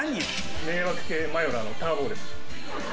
迷惑系マヨラーのターボウです。